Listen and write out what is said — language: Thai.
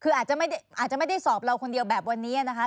คืออาจจะไม่ได้สอบเราคนเดียวแบบวันนี้นะคะ